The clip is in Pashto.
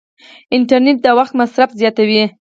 انټرنیټ د وخت مصرف زیاتوي.